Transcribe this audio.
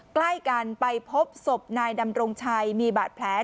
ใกล้กันไปพบศพนายดำรงชัยมีบาดแผล